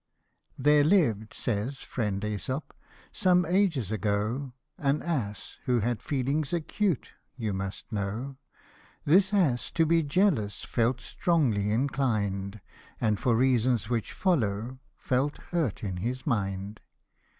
" THERE lived," says friend ^Esop, " some ages ago, An ass who had feelings acute, you must know ; This ass to be jealous felt strongly inclined, And for reasons which follow, felt hurt in his mind."